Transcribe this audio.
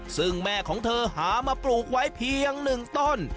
ซึ่งแม่ของเธอหามาปลูกไว้เพียง๑ต้น